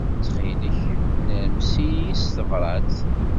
Ttxil-k, nermes-iyi s tebṛat.